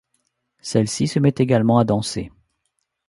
Celle-ci se met également à danser.